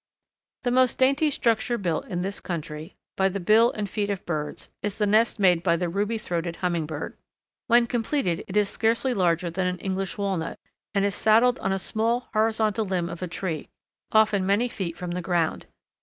The most dainty structure built, in this country, by the bill and feet of birds, is the nest made by the Ruby throated Hummingbird. When completed it is scarcely larger than an English walnut, and is saddled on a small horizontal limb of a tree, often many feet from the ground.